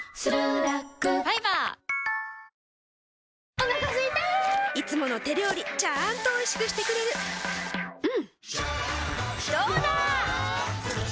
お腹すいたいつもの手料理ちゃんとおいしくしてくれるジューうんどうだわ！